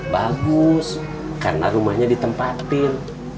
bagus karena rumahnya ditempatkan